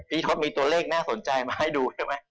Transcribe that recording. ก็มีตัวเลขน่าสนใจมาให้ดูใช่ไหม